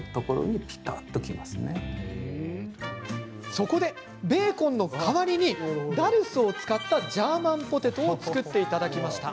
そこで、ベーコンの代わりにダルスを使ったジャーマンポテトを作っていただきました。